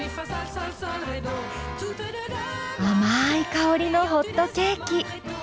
甘い香りのホットケーキ。